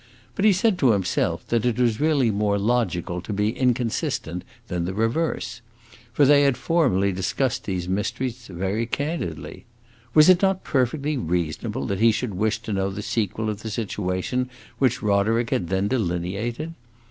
But he said to himself that it was really more logical to be inconsistent than the reverse; for they had formerly discussed these mysteries very candidly. Was it not perfectly reasonable that he should wish to know the sequel of the situation which Roderick had then delineated?